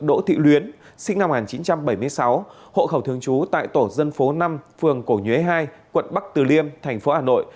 đỗ thị luyến sinh năm một nghìn chín trăm bảy mươi sáu hộ khẩu thường trú tại tổ dân phố năm phường cổ nhuế hai quận bắc từ liêm thành phố hà nội